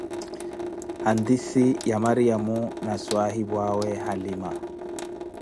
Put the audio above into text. Handice ya Mariamo na swahiphuʼawe halima